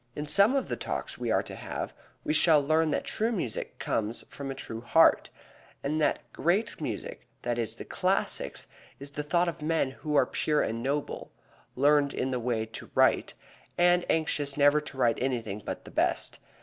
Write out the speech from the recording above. In some of the Talks we are to have we shall learn that true music comes from a true heart; and that great music that is the classics is the thought of men who are pure and noble, learned in the way to write, and anxious never to write anything but the best.